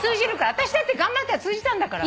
私だって頑張ったら通じたんだから。